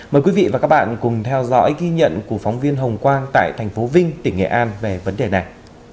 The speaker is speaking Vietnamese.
mời quý vị và các bạn cùng theo dõi ghi nhận của phóng viên hồng quang tại tp vinh tỉnh nghệ an về vấn đề này